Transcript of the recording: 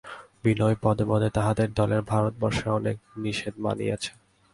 বিনয় পদে পদে তাহাদের দলের ভারতবর্ষের অনেক নিষেধ মানিয়াছে।